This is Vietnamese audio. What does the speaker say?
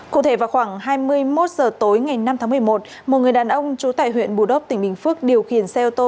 cụ thể vào khoảng hai mươi một h tối ngày năm tháng một mươi một một người đàn ông trú tại huyện bù đốc tỉnh bình phước điều khiển xe ô tô